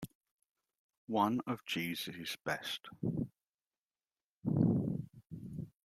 One of Jeeves's best.